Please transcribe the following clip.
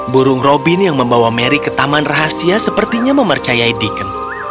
burung robin yang membawa mary ke taman rahasia sepertinya mempercayai deacon